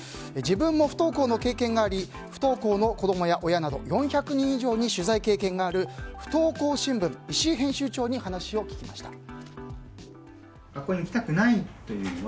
自分も不登校の経験があり不登校の子供や親など４００人以上に取材経験がある不登校新聞の石井編集長に話を聞きました。